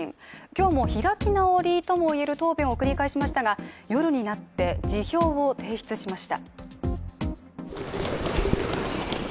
今日も開き直りともいえる答弁を繰り返しましたが夜になって辞表を提出しました。